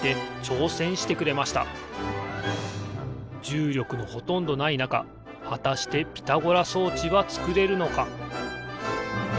じゅうりょくのほとんどないなかはたしてピタゴラ装置はつくれるのか？